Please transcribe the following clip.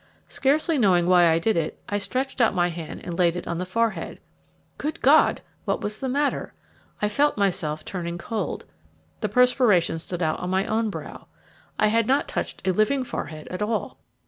Scarcely knowing why I did it, I stretched out my hand and laid it on the forehead. Good God! what was the matter? I felt myself turning cold; the perspiration stood out on my own brow. I had not touched a living forehead at all.